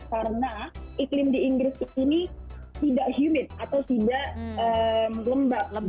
karena iklim di inggris ini tidak humid atau tidak lembab